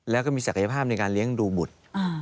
แล้วก็มีศักยภาพในการเลี้ยงดูบุตร